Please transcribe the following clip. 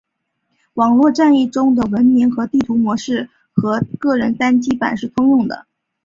网络战役中的文明和地图模式和个人单机版是通用的。